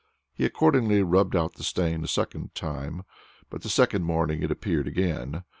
He accordingly rubbed out the stain a second time, but the second morning it appeared again.